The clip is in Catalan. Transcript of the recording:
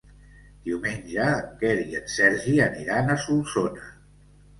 Diumenge en Quer i en Sergi aniran a Solsona.